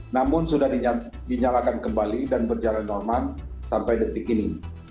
namun sudah dinyalakan kembali dan berjalan normal sampai detik ini